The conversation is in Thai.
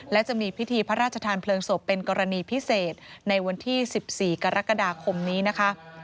และจะมีพิธีพระราชทานเพลิงศพเป็นกรณีพิเศษในวันที่๑๔กรกฎาคมนี้นะคะ